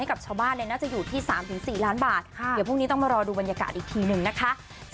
ให้กับชาวบ้านแล้วนะจะอยู่ที่๓๔ล้านบาทอาหารจะพูดแล้วรอดูบรรยากาศอีกทีหนึ่งนะคะ